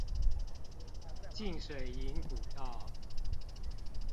浸水營古道